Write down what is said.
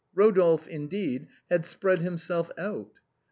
Eodolphe, indeed, had spread himself out.